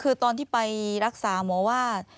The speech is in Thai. คือตอนที่ไปรักษาหมอว่า